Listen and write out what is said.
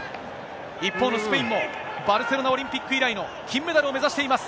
一方のスペインも、バルセロナオリンピック以来の金メダルを目指しています。